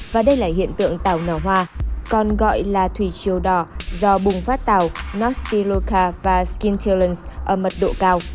và đây là hiện tượng tàu nở hoa còn gọi là thủy chiêu đỏ do bùng phát tàu nostiluca và skintillens ở mật độ cao